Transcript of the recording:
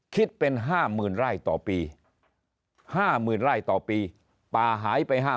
คิดเป็น๕๐๐๐ไร่ต่อปี๕๐๐๐ไร่ต่อปีป่าหายไป๕๐๐